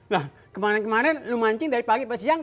lah kemarin kemarin lu mancing dari pagi sampai siang